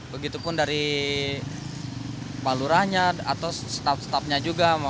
begitupun dari palurahnya atau staf stafnya juga